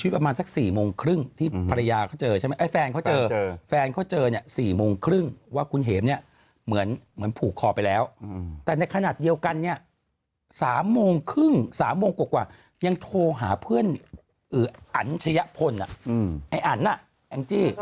ประมาณสัก๔โมงครึ่งที่ภรรยาเขาเจอใช่ไหมไอ้แฟนเขาเจอแฟนเขาเจอเนี่ย๔โมงครึ่งว่าคุณเห็มเนี่ยเหมือนผูกคอไปแล้วแต่ในขณะเดียวกันเนี่ย๓โมงครึ่ง๓โมงกว่ายังโทรหาเพื่อนอันชะยะพลไอ้อันน่ะแองจี้